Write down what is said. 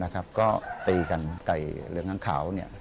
ก็ตีกันไก่เหลืองอังขาว